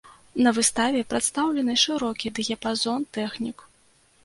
На выставе прадстаўлены шырокі дыяпазон тэхнік.